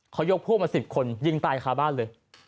เขายกพวกมา๑๐คนยิงตายคาบ้านเลย